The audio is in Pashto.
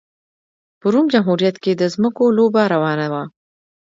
په روم جمهوریت کې د ځمکو لوبه روانه وه